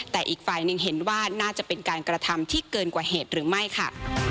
แต่อีกฝ่ายหนึ่งเห็นว่าน่าจะเป็นการกระทำที่เกินกว่าเหตุหรือไม่ค่ะ